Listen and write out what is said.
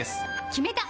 決めた！